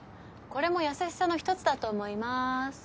これも優しさのひとつだと思います。